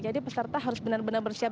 jadi peserta harus benar benar bersiap